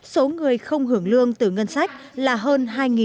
số người không hưởng lương từ ngân sách là hơn hai